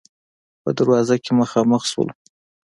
په دروازه کې مخامخ شولو.